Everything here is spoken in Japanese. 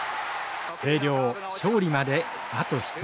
星稜勝利まであと１人。